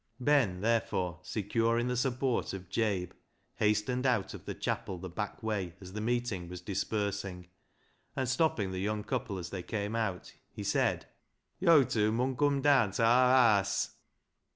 Ben, therefore, secure in the support of Jabe, hastened out of the chapel the back way as the meeting was dispersing, and stopping the young couple as they came out, he said —" Yo' tew mun come daan ta aar haase."